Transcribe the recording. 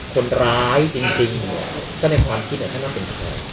คนร้ายจริงก็ในความคิดอาจจะเป็นใคร